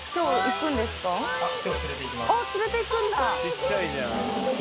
あっ連れていくんだ